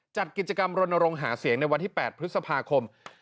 จัดกิจกรรมรณรงค์หาเสียงในวันที่๘พฤษภาคม